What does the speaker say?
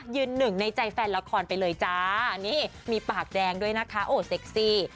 หนึ่งในใจแฟนละครไปเลยจ้านี่มีปากแดงด้วยนะคะโอ้เซ็กซี่